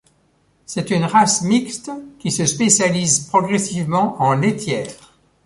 C'est une race mixte qui se spécialise progressivement en laitière.